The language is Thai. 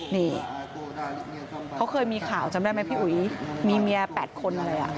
นี่เขาเคยมีข่าวจำได้ไหมพี่อุ๋ยมีเมีย๘คนเลย